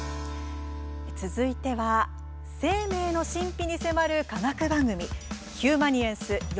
続いては生命の神秘に迫る科学番組「ヒューマニエンス